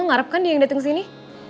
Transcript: lo ngarepkan dia yang dateng sini